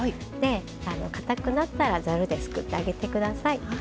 でかたくなったらざるですくってあげて下さい。